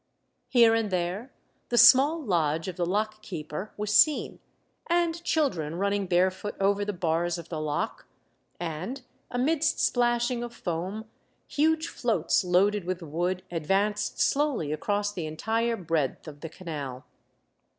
Here and there the small lodge of the lock keeper was seen, and children running barefoot over the bars of the lock, and amidst splashing of foam huge floats loaded with wood advanced slowly across the entire breadth of the canal.